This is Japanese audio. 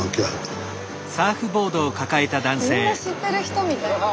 みんな知ってる人みたい。